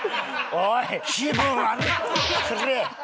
おい！